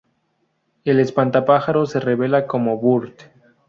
El espantapájaros se revela como Burt.